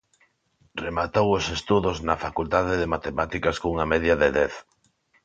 Rematou os estudos na Facultade de Matemáticas cunha media de dez.